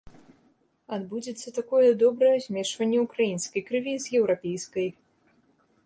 Адбудзецца такое добрае змешванне ўкраінскай крыві з еўрапейскай.